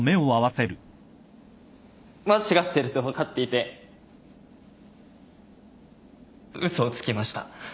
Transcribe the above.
間違ってると分かっていて嘘をつきました。